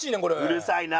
うるさいな。